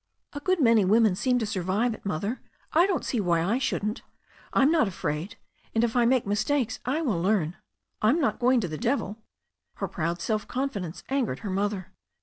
"A good many women seem to survive it, Mother. I don't see why I shouldn't. I'm not aMid, and if I make mistakes I will learn. I'm not going to' the devil." Her proud self confidence angered her mother.